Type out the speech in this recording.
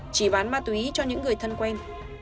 chỉ bán ma túy cho những người thân quen